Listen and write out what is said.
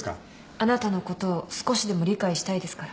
あなたのことを少しでも理解したいですから。